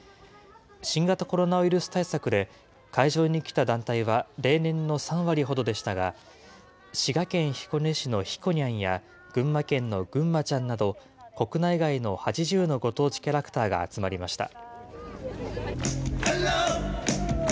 新型コロナウイルス対策で会場に来た団体は例年の３割ほどでしたが、滋賀県彦根市のひこにゃんや、群馬県のぐんまちゃんなど、国内外の８０のご当地キャラクターが集まりました。